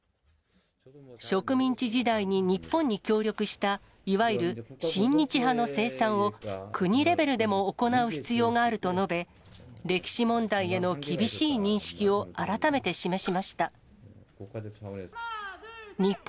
植民地時代に日本に協力したいわゆる親日派の清算を、国レベルでも行う必要があると述べ、歴史問題への厳しい認識を改めて示しました。